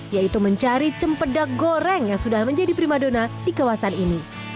yaitu mencari cempedak goreng yang sudah menjadi prima dona di kawasan ini